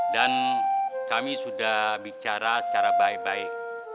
dan kami sudah bicara secara baik baik